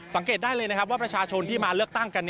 สังเกตได้เลยนะครับว่าประชาชนที่มาเลือกตั้งกัน